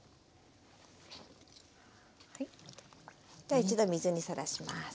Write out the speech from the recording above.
では一度水にさらします。